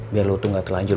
biar lo tuh gak terlanjur